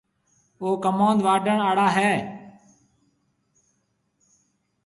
او ڪموُند واڊهڻ آݪا هيَ۔